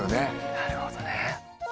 なるほどね。